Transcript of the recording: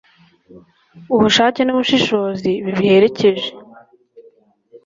ubushake n'ubushishozi bibiherekeje